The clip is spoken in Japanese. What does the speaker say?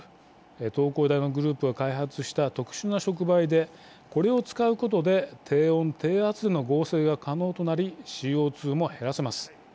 東工大のグループが開発した特殊な触媒でこれを使うことで低温低圧での合成が可能となりＣＯ２も減らせます。